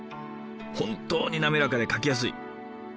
本当に滑らかで書きやすい。